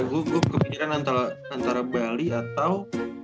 gue kepikiran antara bali atau